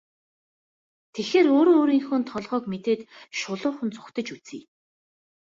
Тэгэхээр өөрөө өөрийнхөө толгойг мэдээд шулуухан зугтаж үзье.